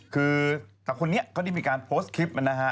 คือแต่คนนี้เขาได้มีการโพสต์คลิปนะฮะ